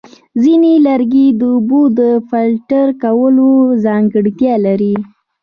ځینې لرګي د اوبو د فلټر کولو ځانګړتیا لري.